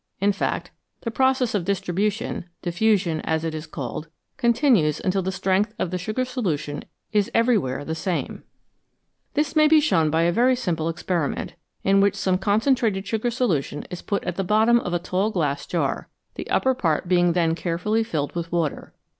In fact, the process of distribution " diffusion," as it is called continues until the strength of the sugar solution is everywhere the same. FACTS ABOUT SOLUTIONS This may be shown by a very simple experiment, in which some concentrated sugar solution is put at the bottom of a tall glass jar, the upper part being then carefully filled with water.